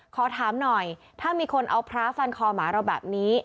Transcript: ขอถามหน่อยถ้ามีคนเอาพระฟันคอหมาเราแบบนี้